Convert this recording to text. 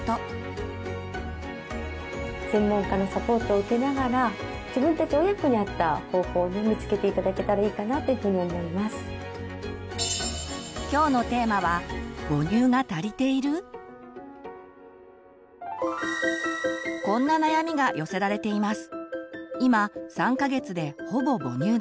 大切なのは今日のテーマはこんな悩みが寄せられています。